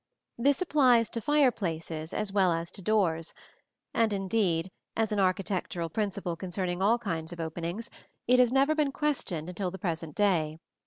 This applies to fireplaces as well as to doors, and, indeed, as an architectural principle concerning all kinds of openings, it has never been questioned until the present day.